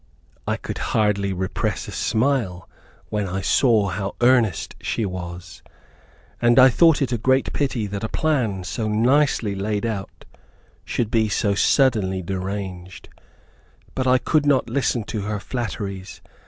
I could hardly repress a smile when I saw how earnest she was, and I thought it a great pity that a plan so nicely laid out should be so suddenly deranged, but I could not listen to her flatteries.